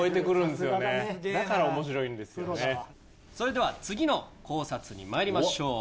それでは次の考察にまいりましょう。